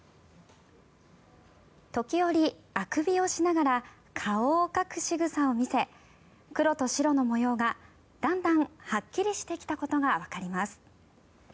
時折あくびをしながら顔をかくしぐさを見せ黒と白の模様がだんだんはっきりしてきたことがわかります。